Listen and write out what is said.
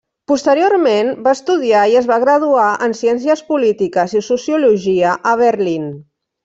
Posteriorment va estudiar i es va graduar en Ciències polítiques i Sociologia a Berlín.